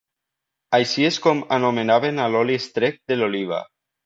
Així és com anomenaven a l'oli extret de l'oliva.